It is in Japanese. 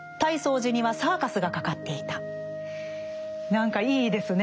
何かいいですねえ。